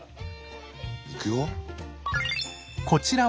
いくよ。